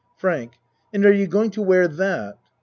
FRANK And are you going to wear that?